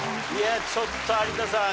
ちょっと有田さん